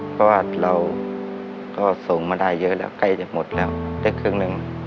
เพราะว่าเราก็ส่งมาได้เยอะแล้วใกล้จะหมดแล้วได้ครึ่งหนึ่ง